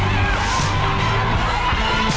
กล่อข้าวหลามใส่กระบอกภายในเวลา๓นาที